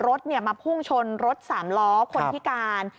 รถมาพุ่งชนรถสามล้อคนพิการ